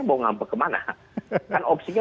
mau ngambek kemana kan opsinya